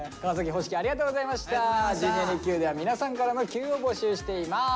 「Ｊｒ．にＱ」では皆さんからの「Ｑ」を募集しています。